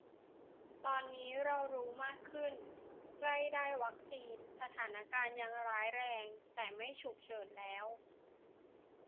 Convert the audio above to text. ตอนนี้เรารู้มากขึ้น ใกล้ได้วัคซีน สถานการณ์ยังร้ายแรง แต่ไม่ฉุกเฉินแล้ว